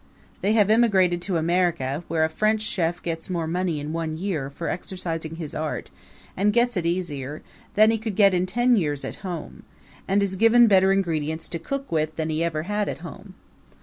They have emigrated to America, where a French chef gets more money in one year for exercising his art and gets it easier than he could get in ten years at home and is given better ingredients to cook with than he ever had at home.